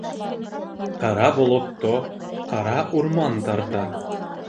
Ҡара болотто ҡара урман тарта.